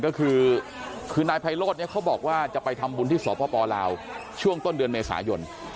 ก็คือคือนายไพโรธเนี่ยเขาบอกว่าจะไปทำบุญที่สปลาวช่วงต้นเดือนเมษายน